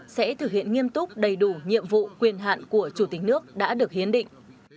sẽ thực hiện nghiêm túc đầy đủ nhiệm vụ quyền hạn của chủ tịch nước đã được hiến định